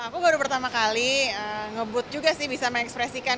aku baru pertama kali ngebut juga sih bisa mengekspresikan